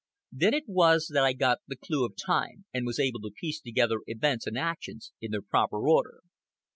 Then it was that I got the clew of time, and was able to piece together events and actions in their proper order.